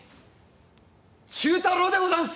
忠太郎でござんす！